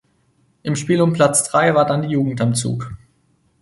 Im Spiel um Platz drei war dann die Jugend am Zug.